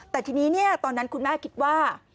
แต่ทีนี้ตอนนั้นคุณแม่คิดว่า